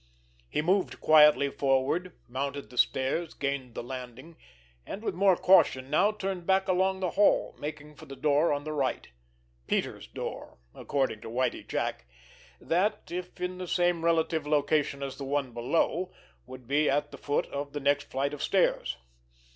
He moved quietly forward, mounted the stairs, gained the landing, and, with more caution now, turned back along the hall, making for the door on the right—Peters' door, according to Whitie Jack—that, if in the same relative location as the one below, would be at the foot of the next flight of stairs.